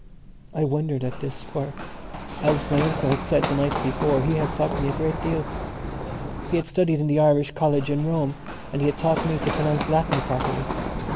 I wondered at this for, as my uncle had said the night before, he had taught me a great deal. He had studied in the Irish college in Rome and he had taught me to pronounce Latin properly.